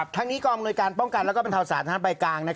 ทั้งนี้กองอำนวยการป้องกันและบรรเทาสาธารณภัยกลาง